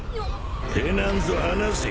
手なんぞ離せ。